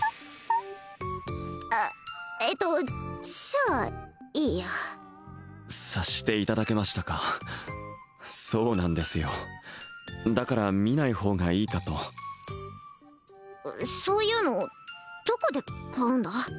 あえっとじゃあいいや察していただけましたかそうなんですよだから見ない方がいいかとそういうのどこで買うんだ？